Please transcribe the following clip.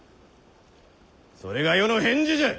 それが余の返事じゃ！